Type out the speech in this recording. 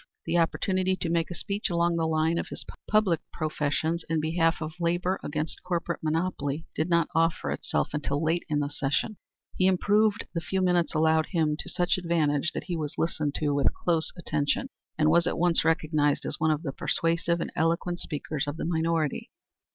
The opportunity to make a speech along the line of his public professions in behalf of labor against corporate monopoly did not offer itself until late in the session. He improved the few minutes allowed him to such advantage that he was listened to with close attention, and was at once recognized as one of the persuasive and eloquent speakers of the minority.